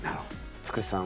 つくしさんは？